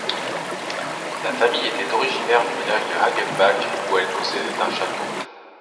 La famille était originaire du village de Hagenbach où elle possédait un château.